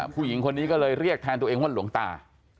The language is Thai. ผู้หญิงคนนี้ก็เลยเรียกแทนตัวเองว่าหลวงตา